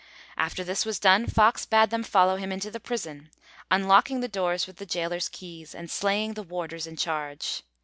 After this was done Fox bade them follow him into the prison, unlocking the doors with the gaoler's keys, and slaying the warders in charge.